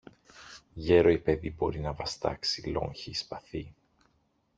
γέρο ή παιδί μπορεί να βαστάξει λόγχη ή σπαθί